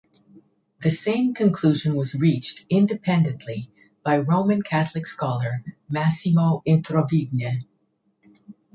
The same conclusion was reached independently by Roman Catholic scholar Massimo Introvigne.